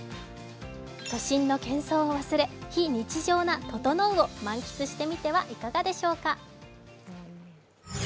都心の喧騒を忘れ、非日常のととのうを満喫してみてはいかがでしょうか。